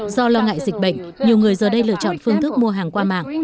do lo ngại dịch bệnh nhiều người giờ đây lựa chọn phương thức mua hàng qua mạng